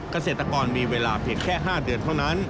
เกษตรกรมีเวลาเพียงแค่๕เดือนเท่านั้น